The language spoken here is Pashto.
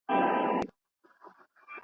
ښاري ژوند تر کلیوالي ژوند سخت دی.